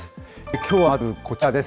きょうはまずこちらです。